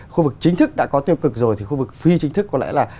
khu vực chính thức đã có tiêu cực rồi thì khu vực phi chính thức có lẽ là